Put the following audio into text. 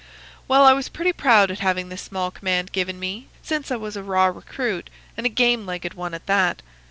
"Well, I was pretty proud at having this small command given me, since I was a raw recruit, and a game legged one at that.